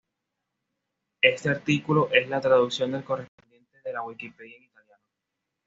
Este artículo es la traducción del correspondiente de la Wikipedia en Italiano.